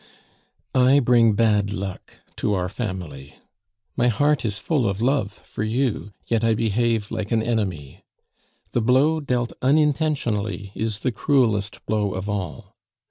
I bring bad luck to our family. My heart is full of love for you, yet I behave like an enemy. The blow dealt unintentionally is the cruelest blow of all.